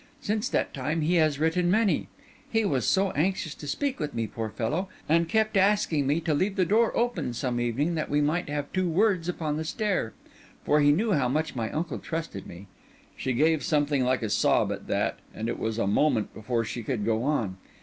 Since that time he has written many. He was so anxious to speak with me, poor fellow! and kept asking me to leave the door open some evening that we might have two words upon the stair. For he knew how much my uncle trusted me." She gave something like a sob at that, and it was a moment before she could go on.